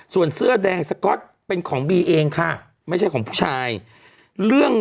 ส่วนเสื้อแดงสก๊อตเป็นของบีเองค่ะไม่ใช่ของผู้ชายเรื่อง